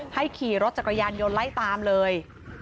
ขี่รถจักรยานยนต์ไล่ตามเลย